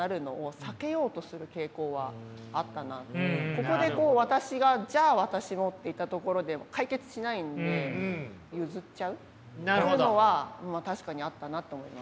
ここで私が「じゃあ私も！」って言ったところで解決しないんで譲っちゃうっていうのは確かにあったなと思います。